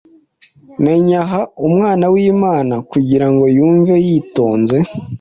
Menyeha Umwana wImana, kugirango yumve yitonze